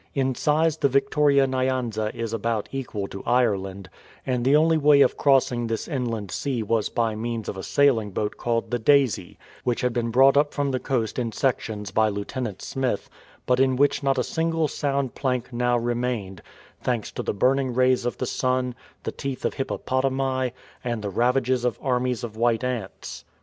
In size the Victoria Nyanza is about equal to Ireland, and the only way of crossing this inland sea was by means of a sailing boat called the Daisy ^ which had been brought up from the coast in sections by Lieutenant Smith, but in which not a single sound plank now remained, thanks to the burning rays of the sun, the teeth of hippopotami, and the ravages of armies of white ants.